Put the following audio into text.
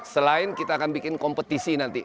selain kita akan bikin kompetisi nanti